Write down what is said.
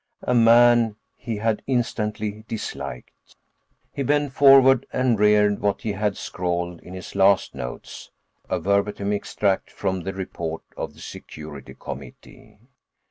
A man he had instantly disliked. He bent forward and reread what he had scrawled in his last notes, a verbatim extract from the report of the security committee.